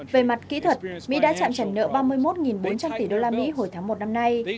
về mặt kỹ thuật mỹ đã chặn trần nợ ba mươi một bốn trăm linh tỷ đô la mỹ hồi tháng một năm nay